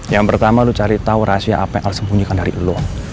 yang pertama lo cari tahu rahasia apa yang harus sembunyikan dari lo